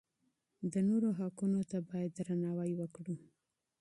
د نورو حقونو ته بايد درناوی وکړو.